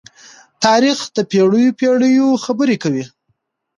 تاریخ د پېړيو پېړۍ خبرې کوي.